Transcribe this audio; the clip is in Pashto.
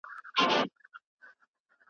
افغانان د وطن لپاره جګړه وکړه